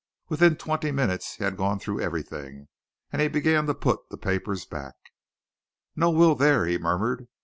Within twenty minutes he had gone through everything, and he began to put the papers back. "No will there," he murmured.